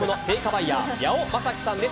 バイヤー、八尾昌輝さんです。